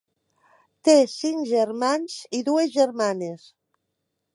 Té cinc germans i dues germanes.